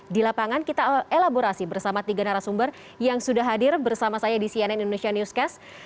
di lapangan kita elaborasi bersama tiga narasumber yang sudah hadir bersama saya di cnn indonesia newscast